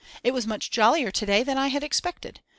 It was much jollier to day than I had expected.